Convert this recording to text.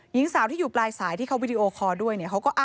หญิงสาวที่อยู่ปลายสายที่เขาวิดีโอกรน์ด้วยเนี้ยเขาก็อ้าบ